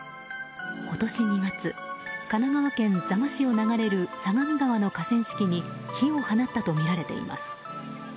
今年２月神奈川県座間市を流れる相模川の河川敷に火を放ったとみられています。